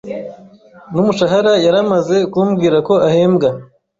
n’umushahara yaramaze kumbwira ko ahembwa